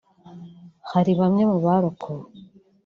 Hari bamwe mu barokowe